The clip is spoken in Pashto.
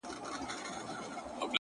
گراني شاعري زه هم داسي يمه!